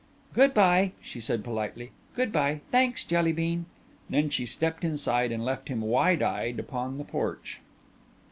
"Good bye," she said politely, "good bye. Thanks, Jelly bean." Then she stepped inside and left him wide eyed upon the porch.